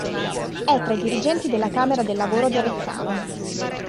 È tra i dirigenti della Camera del Lavoro di Avezzano.